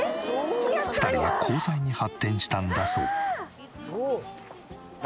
２人は交際に発展したんだそう。